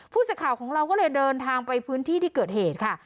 สักข่าวของเราก็เลยเดินทางไปพื้นที่ที่เกิดเหตุค่ะ